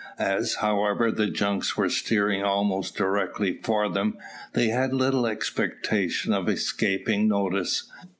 As, however, the junks were steering almost directly for them, they had little expectation of escaping notice.